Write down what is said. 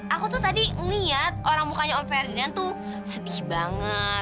aku tuh tadi niat orang mukanya oh ferdinand tuh sedih banget